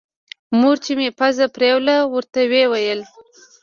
مور چې مې پزه پرېوله ورته ويې ويل.